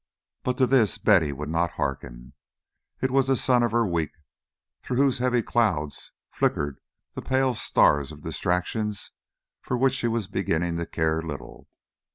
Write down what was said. But to this Betty would not hearken. It was the sun of her week, through whose heavy clouds flickered the pale stars of distractions for which she was beginning to care little.